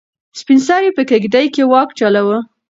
سپین سرې په کيږدۍ کې واک چلاوه.